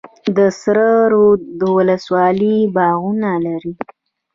د سره رود ولسوالۍ باغونه لري